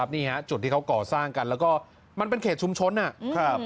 นี่ฮะจุดที่เขาก่อสร้างกันแล้วก็มันเป็นเขตชุมชนนะครับ